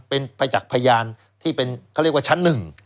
ไปจากพยานที่เขาเรียกว่าชั้น๑